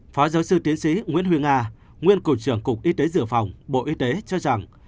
phó giáo sư tiến sĩ nguyễn huy nga nguyên cục trưởng cục y tế dự phòng bộ y tế cho rằng